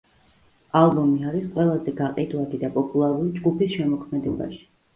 ალბომი არის ყველაზე გაყიდვადი და პოპულარული ჯგუფის შემოქმედებაში.